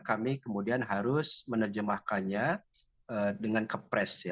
kami kemudian harus menerjemahkannya dengan kepres